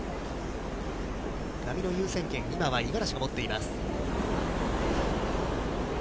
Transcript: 波の優先権、今は五十嵐が持っています。